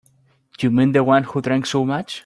You mean the one who drank so much?